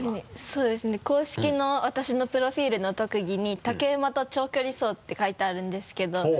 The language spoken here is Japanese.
そうですね公式の私のプロフィルの特技に竹馬と長距離走って書いてあるんですけど。